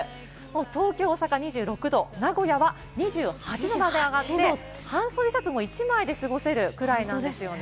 東京・大阪２６度、名古屋は２８度まで上がって半袖シャツも１枚で過ごせるくらいなんですよね。